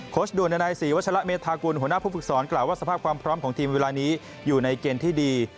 ด่วนในศรีวัชละเมธากุลหัวหน้าผู้ฝึกสอนกล่าวว่าสภาพความพร้อมของทีมเวลานี้อยู่ในเกณฑ์ที่ดี